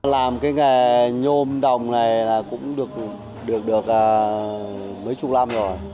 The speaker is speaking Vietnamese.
làm cái nghề nhôm đồng này cũng được mấy chục năm rồi